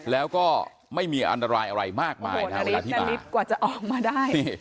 แล้วก็ไม่มีอันตรายอะไรมากมายโอ้โหนาริสนาริสกว่าจะออกมาได้นี่